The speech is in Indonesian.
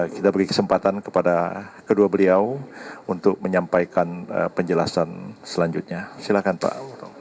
kita beri kesempatan kepada kedua beliau untuk menyampaikan penjelasan selanjutnya silahkan pak